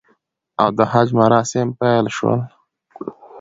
او د حج مراسم پیل شو